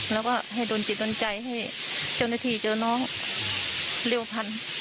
แล้วก็ให้โดนจิตโดนใจให้เจ้าหน้าที่เจอน้องเร็วพัน